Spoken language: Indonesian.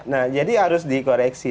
nah jadi harus dikoreksi